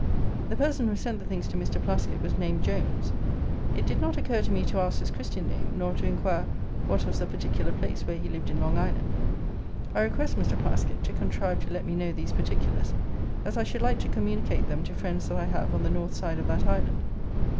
The person who sent the things to Mr. Plaskitt was named Jones. It did not occur to me to ask his christian name, nor to inquire what was the particular place where he lived in Long Island. I request Mr. Plaskitt to contrive to let me know these particulars; as I should like to communicate them to friends that I have on the north side of that island.